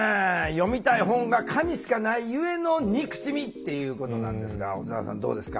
「読みたい本が紙しかないゆえの憎しみ」っていうことなんですが小沢さんどうですか？